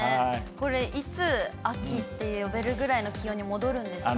これ、いつ秋って呼べるぐらいの気温に戻るんですかね。